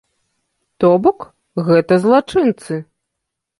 То бок, гэта злачынцы.